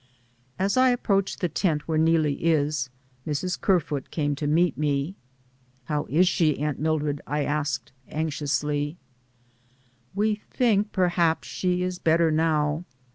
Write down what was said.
As I approached the tent where Neelie is, Mrs. Kerfoot came to meet me. "How is she, Aunt Mildred?" I asked anxiously. 198 DAYS ON THE ROAD. "We think perhaps she is better now.